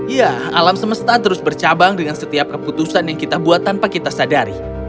ya alam semesta terus bercabang dengan setiap keputusan yang kita buat tanpa kita sadari